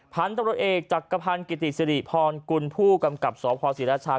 พันธุ์ตำรวจเอกจักรพันธ์กิติสิริพรกุลผู้กำกับสพศรีราชา